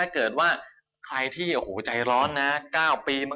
ใครที่ใจร้อนนะ๙ปี